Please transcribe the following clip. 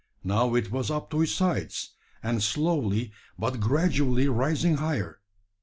Now it was up to its sides, and slowly but gradually rising higher.